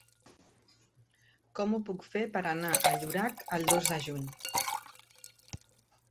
Com ho puc fer per anar a Llorac el dos de juny?